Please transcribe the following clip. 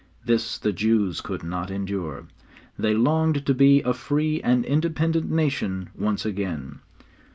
This the Jews could not endure. They longed to be a free and independent nation once again.